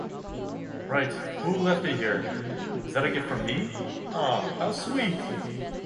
Right, who left it here? Is that a gift for me? Aw, how sweet!